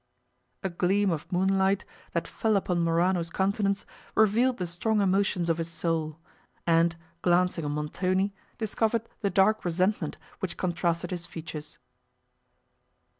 A gleam of moonlight that fell upon Morano's countenance, revealed the strong emotions of his soul; and, glancing on Montoni discovered the dark resentment, which contrasted his features.